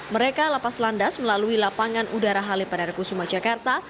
mereka lapas landas melalui lapangan udara halepanerku sumajakarta